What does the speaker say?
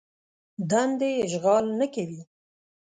دندې اشغال نه کوي.